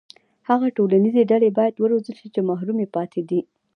هغه ټولنیزې ډلې باید وروزل شي چې محرومې پاتې دي.